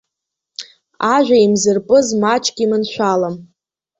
Ажәа еимзырпыз маҷк иманшәалам.